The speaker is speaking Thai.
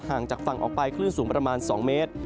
งจากฝั่งออกไปคลื่นสูงประมาณ๒เมตร